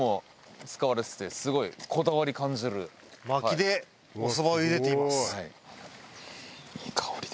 薪でおそばを茹でています。